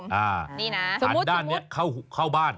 นี่นะหันด้านนี้เข้าบ้าน